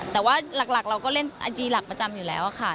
แต่ว่าหลักเราก็เล่นไอจีหลักประจำอยู่แล้วค่ะ